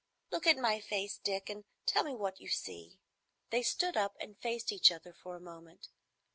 Look at my face, Dick, and tell me what you see." They stood up and faced each other for a moment.